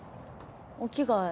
お着替え。